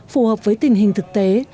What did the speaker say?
phù hợp với tình hình thực tế